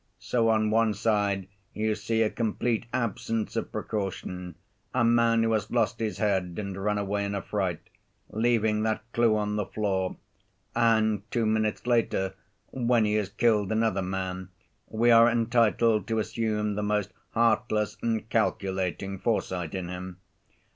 So on one side you see a complete absence of precaution, a man who has lost his head and run away in a fright, leaving that clew on the floor, and two minutes later, when he has killed another man, we are entitled to assume the most heartless and calculating foresight in him.